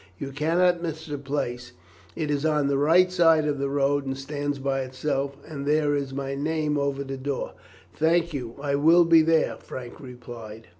You cannot miss the place, it is on the right side of the road and stands by itself, and there is my name over the door." "Thank you; I will be there," Frank replied.